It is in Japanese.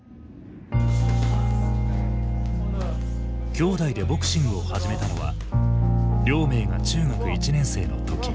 兄弟でボクシングを始めたのは亮明が中学１年生の時。